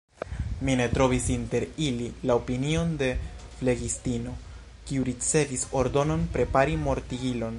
Mi ne trovis inter ili la opinion de flegistino, kiu ricevis ordonon prepari mortigilon.